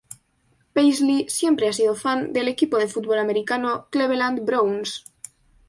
Paisley siempre ha sido fan del equipo de fútbol americano Cleveland Browns.